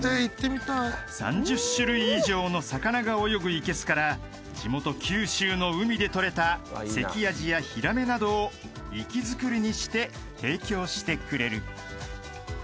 ［３０種類以上の魚が泳ぐいけすから地元九州の海で取れた関アジやヒラメなどを活造りにして提供してくれる］